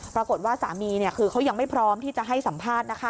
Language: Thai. ปรากฏว่าสามีคือเขายังไม่พร้อมที่จะให้สัมภาษณ์นะคะ